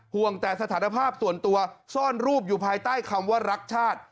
ห่วงแต่สถานภาพส่วนตัวซ่อนรูปอยู่ภายใต้คำว่ารักชาติ